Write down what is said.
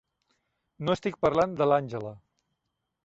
No estic parlant de l'Àngela.